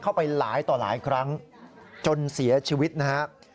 เข้าไปหลายต่อหลายครั้งจนเสียชีวิตนะครับ